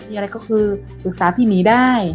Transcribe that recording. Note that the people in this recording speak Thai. มีอะไรก็คือปรึกษาพี่หมีได้